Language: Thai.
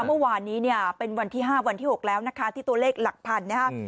เมื่อวานนี้เนี่ยเป็นวันที่๕วันที่๖แล้วนะคะที่ตัวเลขหลักพันนะฮะ